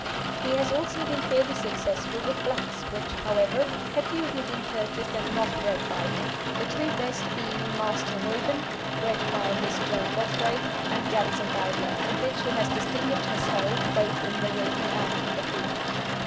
He has also been fairly successful with blacks, which, however, have usually been purchased and not bred by him, the two best being Master Reuben, bred by Miss Joan Godfrey, and Jetsam Bowdler, a bitch who has distinguished herself both in the ring and in the field.